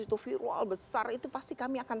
itu virtual besar itu pasti kami akan